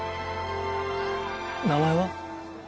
名前は？